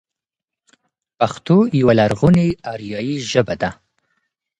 پښتو يوه لرغونې آريايي ژبه ده.